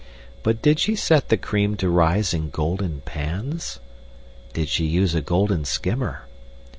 But did she set the cream to rise in golden pans? Did she use a golden skimmer?